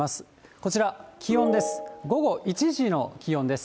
こちら、気温です。